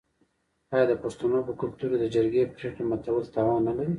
آیا د پښتنو په کلتور کې د جرګې پریکړه ماتول تاوان نلري؟